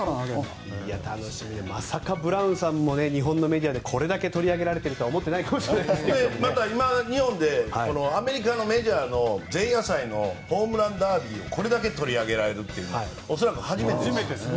まさかブラウンさんも日本のメディアでこれだけ取り上げられてるとはアメリカのメジャーの前夜祭のホームランダービーをこれだけ取り上げられるのは恐らく初めてです。